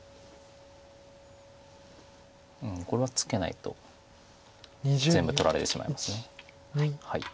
これはツケないと全部取られてしまいます。